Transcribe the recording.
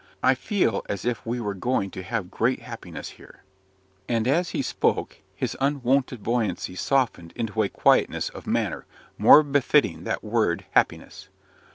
I feel as if we were going to have great happiness here." And as he spoke, his unwonted buoyancy softened into a quietness of manner more befitting that word "happiness."